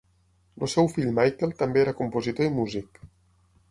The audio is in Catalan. El seu fill Michael també era compositor i músic.